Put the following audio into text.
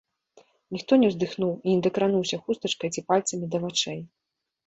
Ніхто не ўздыхнуў і не дакрануўся хустачкай ці пальцамі да вачэй.